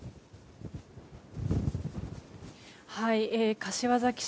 柏崎市